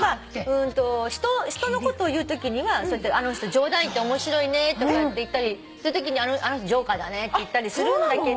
人のことを言うときには「あの人冗談言って面白いね」とかって言ったりするときに「あの人ジョーカーだね」って言ったりするんだけど。